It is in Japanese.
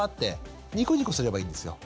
ニコニコすればいいんですよ。